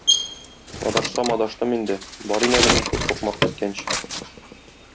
Адашсам адаштым инде, барыйм әле мин шул сукмак беткәнче.